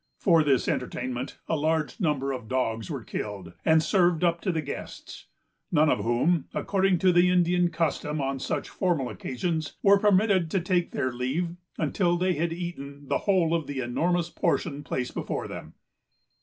For this entertainment a large number of dogs were killed, and served up to the guests; none of whom, according to the Indian custom on such formal occasions, were permitted to take their leave until they had eaten the whole of the enormous portion placed before them.